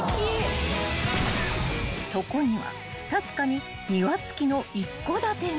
［そこには確かに庭付きの一戸建てが］